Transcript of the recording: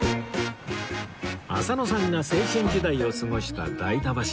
浅野さんが青春時代を過ごした代田橋